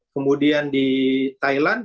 kemudian di thailand